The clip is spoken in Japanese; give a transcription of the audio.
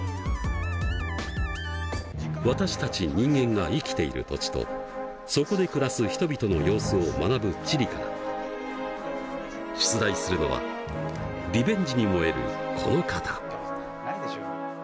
私たち人間が生きている土地とそこで暮らす人々の様子を学ぶ地理から出題するのはリベンジに燃えるこの方。